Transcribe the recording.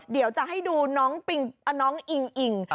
เดี๋ยวจะให้ดูน้องอิงอิ่ง